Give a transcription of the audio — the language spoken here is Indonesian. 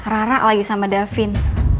rara lagi sama davin